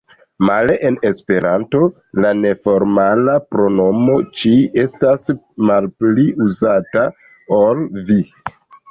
Male en Esperanto, la neformala pronomo „ci“ estas malpli uzata ol „vi“.